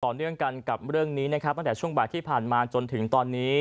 เนื่องกันกับเรื่องนี้นะครับตั้งแต่ช่วงบ่ายที่ผ่านมาจนถึงตอนนี้